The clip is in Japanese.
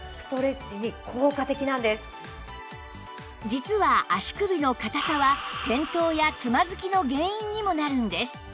実は足首の硬さは転倒やつまずきの原因にもなるんです